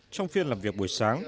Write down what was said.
trong phiên làm việc buổi sáng